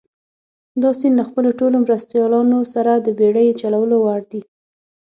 دا سیند له خپلو ټولو مرستیالانو سره د بېړۍ چلولو وړ دي.